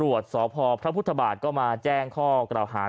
ตำรวจสพพระพุทธบาทก็มาแจ้งข้อกล่าวหา